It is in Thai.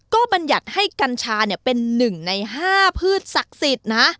ก็บรรยัติให้กัญชาเป็นหนึ่งในห้าพืชศักดิ์สิทธิ์